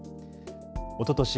おととし